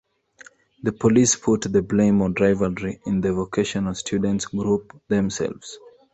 The police put the blame on rivalry in the vocational students group themselves.